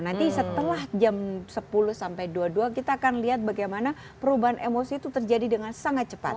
nanti setelah jam sepuluh sampai dua puluh dua kita akan lihat bagaimana perubahan emosi itu terjadi dengan sangat cepat